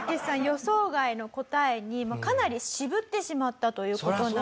予想外の答えにかなり渋ってしまったという事なんです。